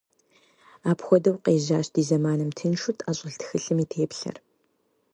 Апхуэдэу къежьащ ди зэманым тыншу тӏэщӏэлъ тхылъым и теплъэр.